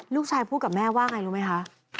ลูกชายพูดกับแม่ว่าไงรู้ไหมคะ